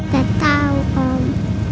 gak tau om